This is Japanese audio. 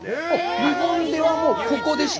日本では、もうここでしか？